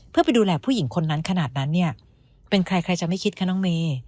เพื่อไปดูแลผู้หญิงคนนั้นขนาดนั้นเนี่ยเป็นใครใครจะไม่คิดคะน้องเมย์